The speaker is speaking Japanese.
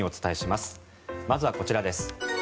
まずはこちらです。